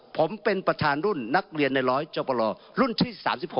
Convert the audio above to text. ผมเป็นประธานรุ่นนักเรียนในร้อยจบรอรุ่นที่๓๖